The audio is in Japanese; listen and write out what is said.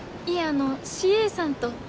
あのＣＡさんと。